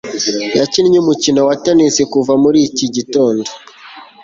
yakinnye umukino wa tennis kuva muri iki gitondo